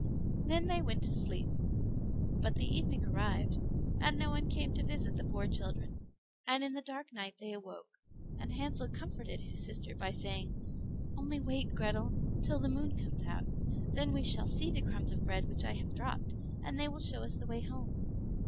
Then they went to sleep; but the evening arrived, and no one came to visit the poor children, and in the dark night they awoke, and Hansel comforted his sister by saying, "Only wait, Grethel, till the moon comes out, then we shall see the crumbs of bread which I have dropped, and they will show us the way home."